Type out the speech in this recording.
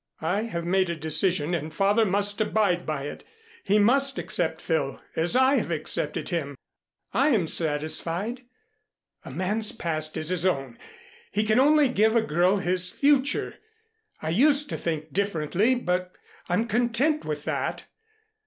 I have made a decision and father must abide by it. He must accept Phil as I have accepted him. I am satisfied. A man's past is his own. He can only give a girl his future. I used to think differently, but I'm content with that.